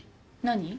何？